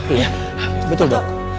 iya betul dok